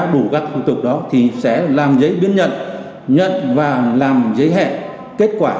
bộ thủ tục đó thì sẽ làm giấy biến nhận nhận và làm giấy hẹn kết quả